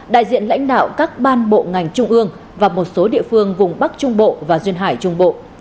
đại diện lãnh đạo các ban bộ ngành trung ương và một số địa phương vùng bắc trung bộ và duyên hải trung bộ